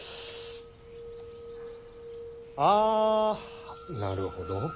あなるほど。